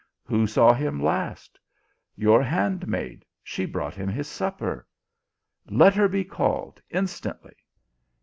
" Who saw him last ?" "Your handmaid, she brought him his supper." " Let her be called instantly."